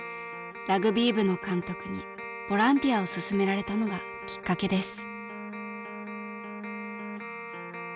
［ラグビー部の監督にボランティアをすすめられたのがきっかけです］